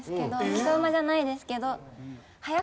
木曽馬じゃないですけど。